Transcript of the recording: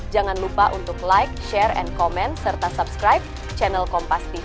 jangan lupa untuk like share and command serta subscribe channel kompastive